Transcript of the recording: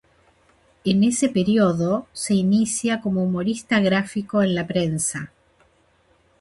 En ese periodo se inicia como humorista gráfico en la prensa.